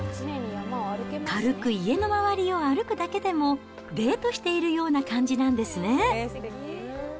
軽く家の周りを歩くだけでも、デートしているような感じなんですね。